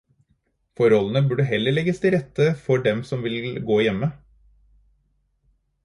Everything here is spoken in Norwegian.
Forholdene burde heller legges bedre til rette for dem som vil gå hjemme.